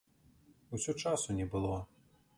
Усё часу не было.